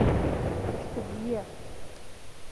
Мышьҭабзиа!